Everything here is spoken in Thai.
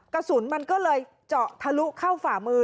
กระสุนมันก็เลยเจาะทะลุเข้าฝ่ามือ